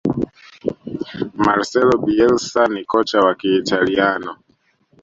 marcelo bielsa ni kocha wa Kiitaliano